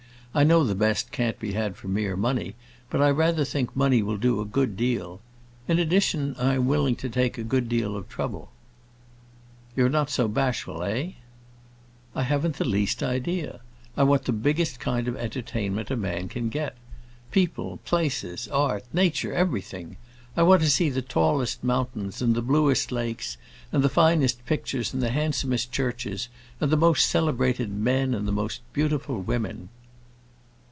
I know the best can't be had for mere money, but I rather think money will do a good deal. In addition, I am willing to take a good deal of trouble." "You are not bashful, eh?" "I haven't the least idea. I want the biggest kind of entertainment a man can get. People, places, art, nature, everything! I want to see the tallest mountains, and the bluest lakes, and the finest pictures and the handsomest churches, and the most celebrated men, and the most beautiful women."